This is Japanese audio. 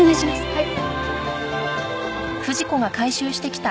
はい。